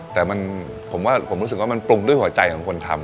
แต่ผมว่าผมรู้สึกว่ามันปรุงด้วยหัวใจของคนทำ